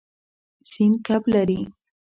سیند کب لري.